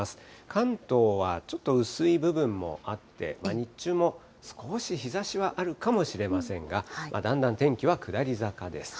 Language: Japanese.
関東はちょっと薄い部分もあって、日中も少し日ざしはあるかもしれませんが、だんだん天気は下り坂です。